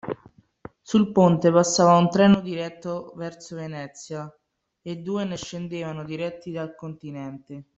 Sul ponte passava un treno diretto verso Venezia e due ne scendevano diretti al continente.